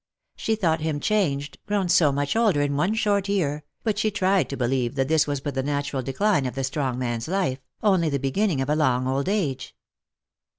She thought him changed, grown so much older in one short year, but she tried to believe that this was but the natural decline of Lost for Love. 119 the strong man's life, only the beginning of a long old age.